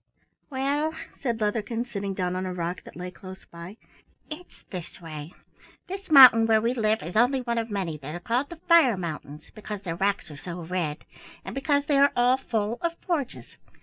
"Well," said Leatherkin, sitting down on a rock that lay close by, "it's this way. This mountain where we live is only one of many that are called the Fire Mountains, because their rocks are so red, and because they are all full of forges.